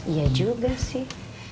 iya juga sih